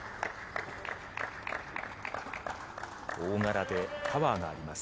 大柄でパワーがあります